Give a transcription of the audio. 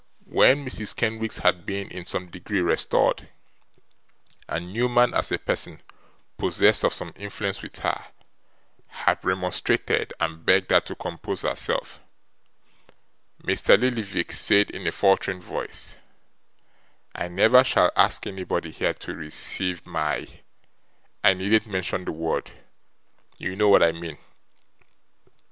When Mrs. Kenwigs had been, in some degree, restored, and Newman, as a person possessed of some influence with her, had remonstrated and begged her to compose herself, Mr Lillyvick said in a faltering voice: 'I never shall ask anybody here to receive my I needn't mention the word; you know what I mean.